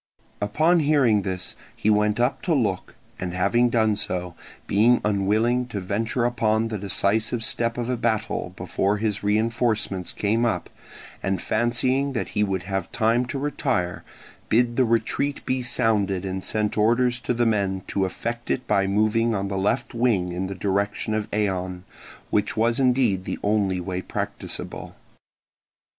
Upon hearing this he went up to look, and having done so, being unwilling to venture upon the decisive step of a battle before his reinforcements came up, and fancying that he would have time to retire, bid the retreat be sounded and sent orders to the men to effect it by moving on the left wing in the direction of Eion, which was indeed the only way practicable.